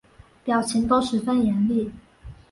表情都十分严厉